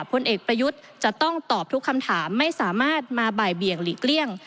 พลเอกประยุทธ์จะต้องตอบทุกคำถามไม่สามารถมาบ่ายเบี่ยงหลีกเลี่ยง